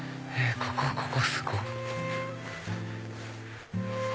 ここすごっ！